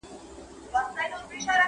چي د چا پر سر كښېني دوى يې پاچا كي٫